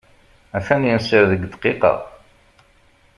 A-t-an yenser deg ddqiqa.